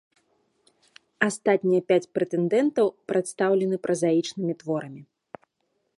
Астатнія пяць прэтэндэнтаў прадстаўлены празаічнымі творамі.